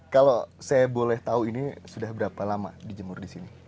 kalau saya boleh tahu ini sudah berapa lama dijemur di sini